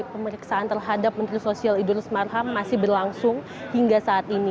pemeriksaan terhadap menteri sosial idrus marham masih berlangsung hingga saat ini